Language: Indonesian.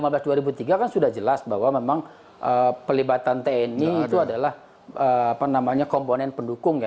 ya yang pertama kalau di undang undang lima belas dua ribu tiga kan sudah jelas bahwa memang pelibatan tni itu adalah komponen pendukung ya